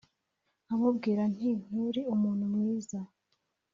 nkamubwira nti “nturi umuntu mwiza